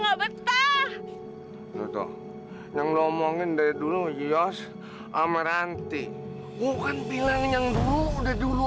nggak betah betul yang lo omongin dari dulu yos amranti bukan bilang yang dulu udah dulu